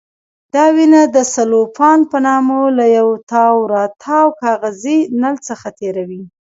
دا وینه د سلوفان په نامه له یو تاوراتاو کاغذي نل څخه تېروي.